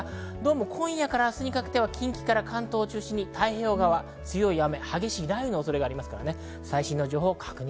今夜から明日にかけては近畿から関東を中心に太平洋側、強い雨、雷雨に注意していただきたいです。